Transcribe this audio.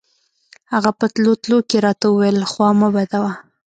هغه په تلو تلو کښې راته وويل خوا مه بدوه.